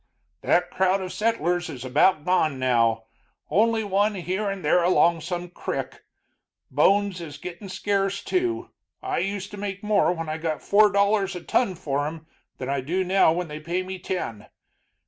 "That crowd of settlers is about all gone now, only one here and there along some crick. Bones is gittin' scarce, too. I used to make more when I got four dollars a ton for 'em than I do now when they pay me ten.